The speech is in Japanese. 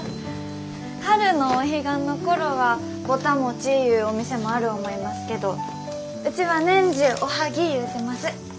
春のお彼岸の頃はぼた餅言うお店もある思いますけどうちは年中おはぎ言うてます。